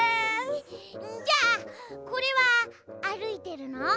じゃあこれはあるいてるの？